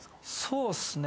そうっすね。